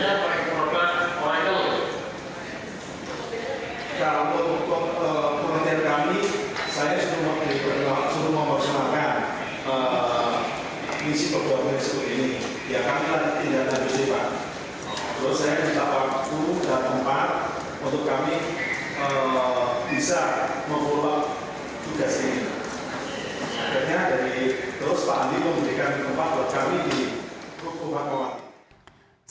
akhirnya dari terus andi mengundi kami kembali kami di ruko grahamas